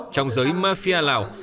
trong giới mafia lào